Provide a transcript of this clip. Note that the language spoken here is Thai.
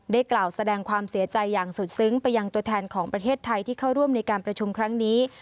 กล่าวแสดงความเสียใจอย่างสุดซึ้งไปยังตัวแทนของประเทศไทยที่เข้าร่วมในการประชุมครั้งนี้